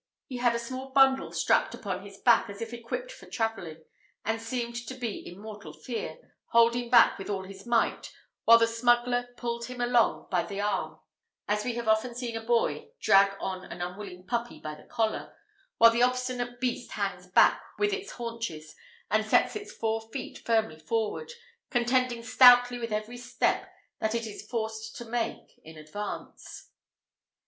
He had a small bundle strapped upon his back, as if equipped for travelling; and seemed to be in mortal fear, holding back with all his might, while the smuggler pulled him along by the arm, as we often see a boy drag on an unwilling puppy by the collar, while the obstinate beast hangs back with its haunches, and sets its four feet firmly forward, contending stoutly every step that it is forced to make in advance.